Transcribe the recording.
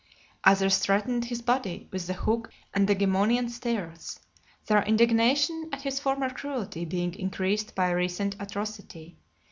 Others threatened his body with the hook and the Gemonian stairs, their indignation at his former cruelty being increased by a recent atrocity.